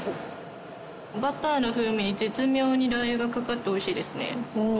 バターの風味に絶妙にラー油がかかっておいしいですね。